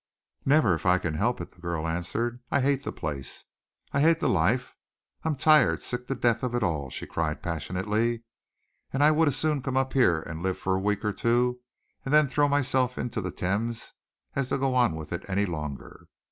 "Never, if I can help it!" the girl answered. "I hate the place. I hate the life. I am tired, sick to death of it all!" she cried passionately, "and I would as soon come up here and live for a week or two, and then throw myself into the Thames, as go on with it any longer.